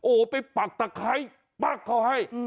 โอ๊ยไปปากตักใครปากขอให้